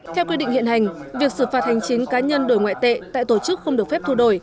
theo quy định hiện hành việc xử phạt hành chính cá nhân đổi ngoại tệ tại tổ chức không được phép thu đổi